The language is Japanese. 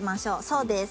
そうです。